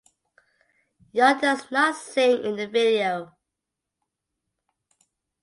Young does not sing in the video.